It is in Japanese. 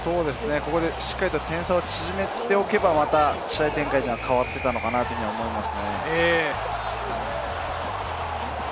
しっかりと点差を縮めておけば、試合展開が変わっていたのかなと思います。